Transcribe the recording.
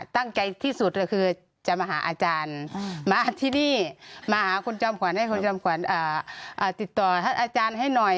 ตั้งใจที่สุดก็คือจะมาหาอาจารย์มาที่นี่มาหาคุณจอมขวัญให้คุณจอมขวัญติดต่อท่านอาจารย์ให้หน่อย